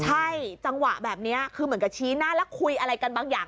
ใช่จังหวะแบบนี้คือเหมือนกับชี้หน้าแล้วคุยอะไรกันบางอย่าง